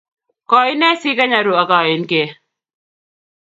Koine sigany aruu agaengee